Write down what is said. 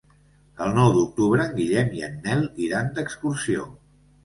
El nou d'octubre en Guillem i en Nel iran d'excursió.